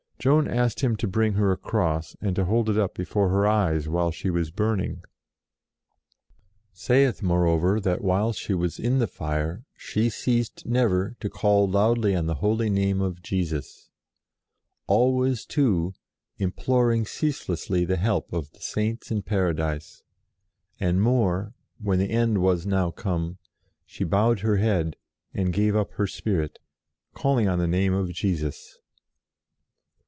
Joan asked him to bring her a cross, and to hold it up before her eyes while she was burning. "Saith moreover that while she was in the fire she ceased 112 JOAN OF ARC never to call loudly on the Holy Name of Jesus; always, too, imploring ceaselessly the help of the Saints in Paradise; and more, when the end was now come, she bowed her head, and gave up her spirit, calling on the name of Jesus."